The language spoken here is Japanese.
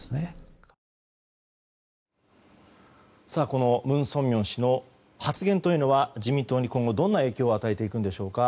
この文鮮明氏の発言というのは自民党に今後、どんな影響を与えていくんでしょうか。